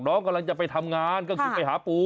น้องกำลังจะไปทำงานก็คือไปหาปู